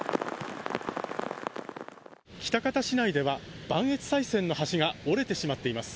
喜多方市内では磐越西線の橋が折れてしまっています。